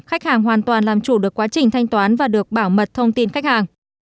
khách hàng hoàn toàn làm chủ được quá trình thanh toán và được bảo mật thông tin khách hàng